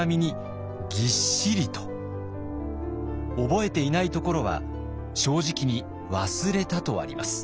覚えていないところは正直に「ワスレタ」とあります。